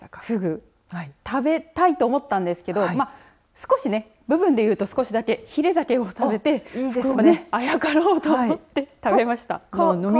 フグ、食べたいと思ったんですけど少し、部分で言うと少しだけひれざけ食べてフグにあやかろうと食べました。